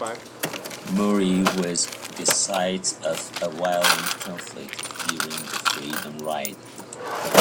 Moree was the site of a violent conflict during the Freedom Ride.